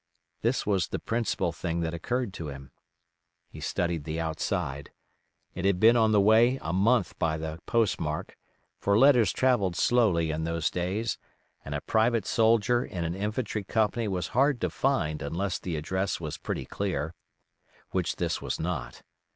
This was the principal thing that occurred to him. He studied the outside. It had been on the way a month by the postmark, for letters travelled slowly in those days, and a private soldier in an infantry company was hard to find unless the address was pretty clear, which this was not.